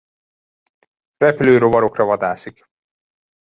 Repülő rovarokra vadászik.